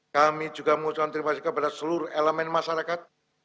kami juga mengucapkan terima kasih kepada seluruh elemen masyarakat